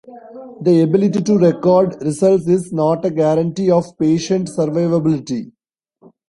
The ability to record results is not a guarantee of patient survivability.